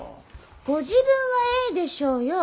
ご自分はええでしょうよ。